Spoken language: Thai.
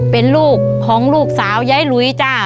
เป็นลูกของลูกสาวยายหลุยจ้า